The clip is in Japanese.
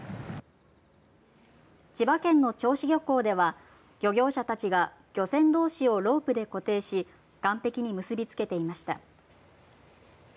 千葉県の銚子漁港では漁業者たちが漁船どうしをロープで固定し岸壁に結びつけていました。